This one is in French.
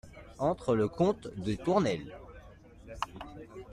Entre le comte des Tournelles.